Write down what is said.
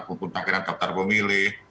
kumpul tangkiran daftar pemilih